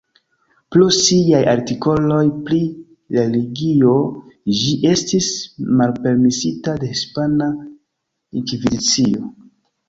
Pro siaj artikoloj pri religio ĝi estis malpermesita de Hispana Inkvizicio.